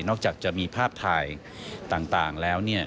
จากจะมีภาพถ่ายต่างแล้ว